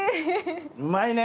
うまいね。